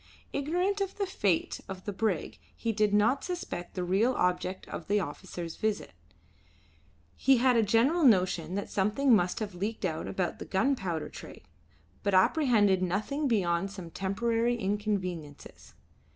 Ignorant of the fate of the brig he did not suspect the real object of the officer's visit. He had a general notion that something must have leaked out about the gunpowder trade, but apprehended nothing beyond some temporary inconveniences.